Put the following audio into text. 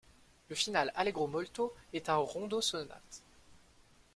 Le finale, Allegro molto, est un rondo-sonate.